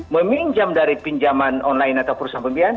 meminjam dari pinjaman online atau perusahaan pembiayaan